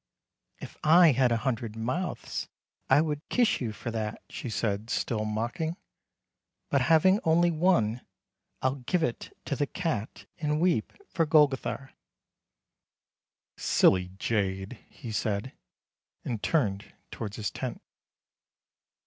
" If I had a hundred mouths I would kiss you for that," she said, still mocking, " but having only one I'll give it to the cat, and weep for Golgothar." " Silly jade," he said, and turned towards his tent.